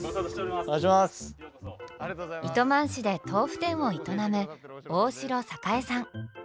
糸満市で豆腐店を営む大城光さん。